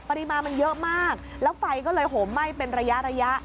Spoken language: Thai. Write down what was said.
ปริมาณมันเยอะมากแล้วไฟก็เลยโหมไหม้เป็นระยะระยะ